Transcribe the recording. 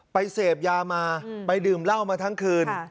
เสพยามาไปดื่มเหล้ามาทั้งคืน